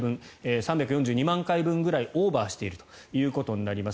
３４２万回分ぐらいオーバーしていることになります。